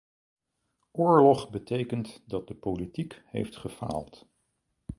Oorlog betekent dat de politiek heeft gefaald.